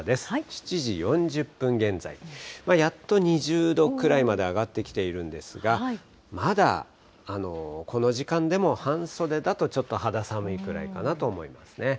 ７時４０分現在、やっと２０度くらいまで上がってきているんですが、まだこの時間でも半袖だとちょっと肌寒いくらいかなと思いますね。